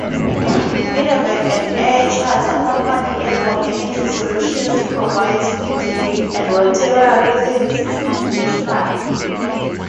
Medevac and air charter company Airborne Energy Solutions provides fixed-wing and rotary services internationally.